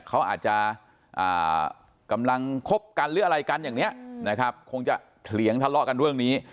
เขาอาจจะกำลังคบกันหรืออะไรกันอย่างนี้นะครับคงจะเถียงทะเลาะกันเรื่องนี้